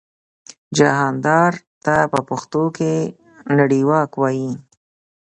جهاندار ته په پښتو کې نړیواک وايي.